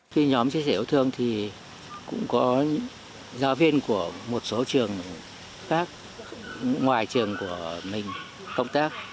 khi nhóm chia sẻ yêu thương thì cũng có những giáo viên của một số trường khác ngoài trường của mình công tác